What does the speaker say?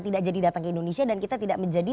tidak jadi datang ke indonesia dan kita tidak menjadi